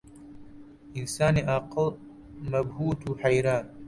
ئینسانی عاقڵ مەبهووت و حەیران